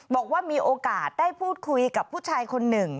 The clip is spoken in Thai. บอกว่ามีโอกาสได้พูดคุยกับผู้ชายคนหนึ่ง